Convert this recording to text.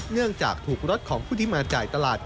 เนื่องจากถูกรถของผู้ที่มาจ่ายตลาด